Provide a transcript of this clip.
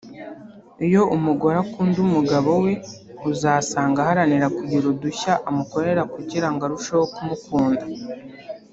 iyo umugore akunda umugabo we uzasanga aharanira kugira udushya amukorera kugira ngo arusheho kumukunda